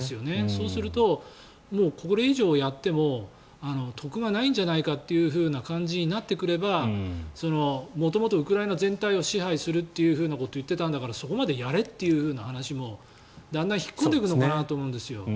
そうするとこれ以上やっても得がないんじゃないかというふうな感じになってくれば元々、ウクライナ全体を支配するということを言っていたんだからそこまでやれっていうような話もどんどん引っ込んでくると思うんです。